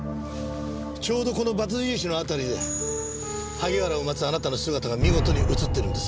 ちょうどこのバツ印の辺りで萩原を待つあなたの姿が見事に映ってるんですよ。